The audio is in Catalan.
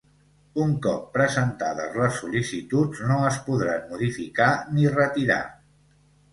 Un cop presentades les sol·licituds no es podran modificar ni retirar.